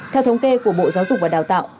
theo thống kê của bộ giáo dục và đào tạo